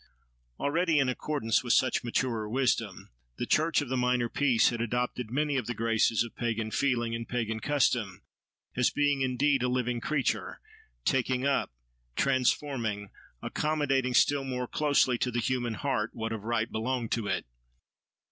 Already, in accordance with such maturer wisdom, the church of the "Minor Peace" had adopted many of the graces of pagan feeling and pagan custom; as being indeed a living creature, taking up, transforming, accommodating still more closely to the human heart what of right belonged to it.